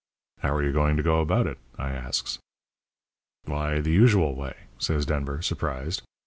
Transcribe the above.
"'How are you going to go about it?' I asks. "'Why, the usual way,' says Denver, surprised.